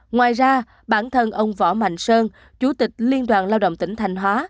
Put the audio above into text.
ngoài ra bản thân ông võ mạnh sơn chủ tịch liên đoàn lao động tỉnh thanh hóa